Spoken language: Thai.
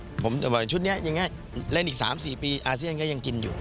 ในญาติอาเซียนชุดนี้อย่างง่ายเล่นอีก๓๔ปีอาเซียนก็ยังกินอยู่